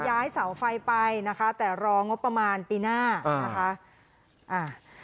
ย้ายเสาไฟไปนะคะแต่รองบประมาณปีหน้านะคะอ่า